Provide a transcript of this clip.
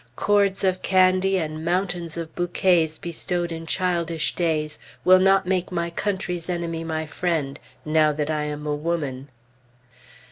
Cords of candy and mountains of bouquets bestowed in childish days will not make my country's enemy my friend now that I am a woman.